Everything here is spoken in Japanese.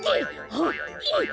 はっ！